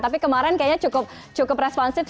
tapi kemarin kayaknya cukup responsif